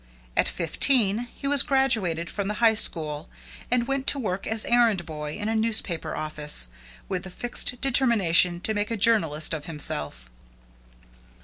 At fifteen he was graduated from the high school and went to work as errand boy in a newspaper office, with the fixed determination to make a journalist of himself.